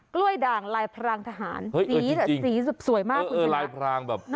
กล้วยด่างลายพรางทหารสีสวยมากคุณผู้ชม